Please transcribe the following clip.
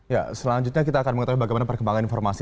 ya selanjutnya kita akan mengetahui bagaimana perkembangan informasi